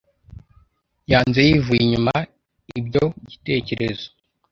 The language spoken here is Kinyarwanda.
Yanze yivuye inyuma ibyo gitekerezo.